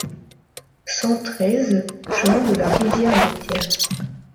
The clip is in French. cent treize chemin de la Rivière des Pierres